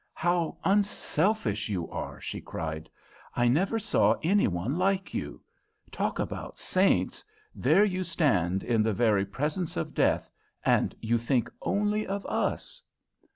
"How unselfish you are!" she cried. "I never saw any one like you. Talk about saints! There you stand in the very presence of death, and you think only of us."